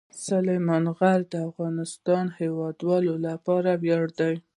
سلیمان غر د افغانستان د هیوادوالو لپاره ویاړ دی.